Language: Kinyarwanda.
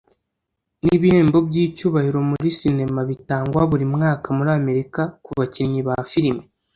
ni ibihembo by’icyubahiro muri sinema bitangwa buri mwaka muri Amerika ku bakinnyi ba filime